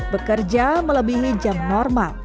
bekerja melebihi jam normal